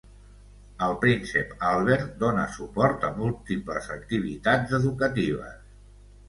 El príncep Albert donà suport a múltiples activitats educatives.